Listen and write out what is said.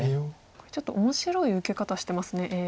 ちょっと面白い受け方してますＡＩ。